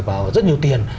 và rất nhiều tiền